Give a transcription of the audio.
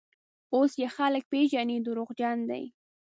اوس یې خلک پېژني: دروغجن دی.